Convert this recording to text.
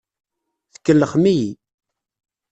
Tkellxem-iyi.